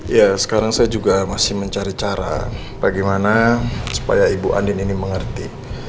ya sekarang saya juga masih mencari cara bagaimana supaya ibu andin ini mengerti